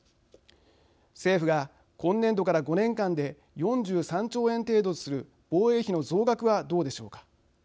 政府が今年度から５年間で４３兆円程度とする防衛費の増額はどうでしょうか。